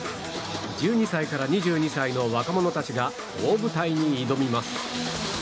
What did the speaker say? １２歳から２２歳の若者たちが大舞台に挑みます。